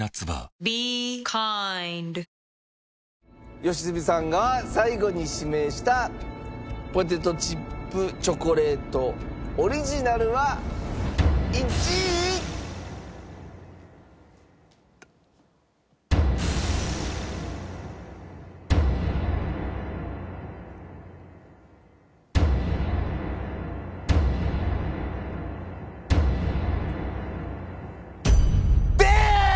良純さんが最後に指名したポテトチップチョコレートオリジナルは１位。です！